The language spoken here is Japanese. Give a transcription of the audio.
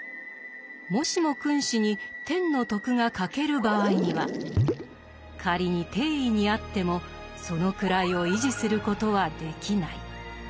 もしも君子に天の徳が欠ける場合にはかりに帝位にあってもその位を維持することはできない。